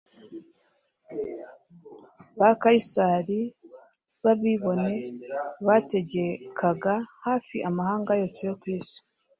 Ba Kayisari b’abibone bategekaga hafi amahanga yose yo ku isi.